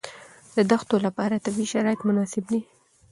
د دښتو لپاره طبیعي شرایط مناسب دي.